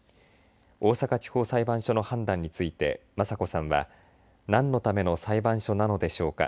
大阪地方裁判所の判断について雅子さんは、何のための裁判所なのでしょうか。